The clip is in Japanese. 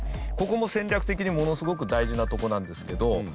ここも戦略的にものすごく大事なとこなんですけど